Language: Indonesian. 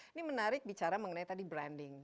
ini menarik bicara mengenai tadi branding